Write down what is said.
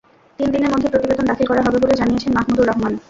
তিন দিনের মধ্যে প্রতিবেদন দাখিল করা হবে বলে জানিয়েছেন মাহমুদুর রহমান।